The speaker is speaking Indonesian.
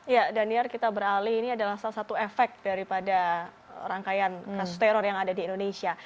ya daniar kita beralih ini adalah salah satu efek daripada rangkaian kasus teror yang ada di indonesia